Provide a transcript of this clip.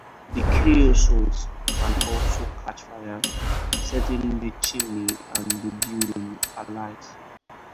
The creosote can also catch fire, setting the chimney and the building alight.